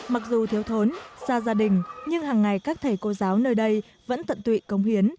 mặc dù thiếu thốn xa gia đình nhưng hàng ngày các thầy cô giáo nơi đây vẫn tận tụy công hiến